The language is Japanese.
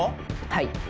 はい。